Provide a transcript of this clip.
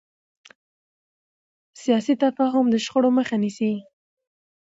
سیاسي تفاهم د شخړو مخه نیسي